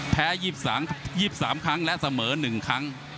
แพ้๒๓ครั้งและเสมอ๑ครั้ง